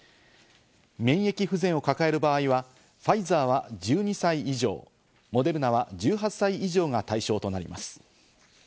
免疫不全を抱える場合は、ファイザーは１２歳以上、モデルナは１８歳以上が対象となります。